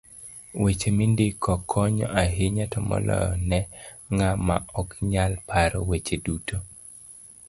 Weche mindiko konyo ahinya to moloyo ne ng'ama oknyal paro weche duto.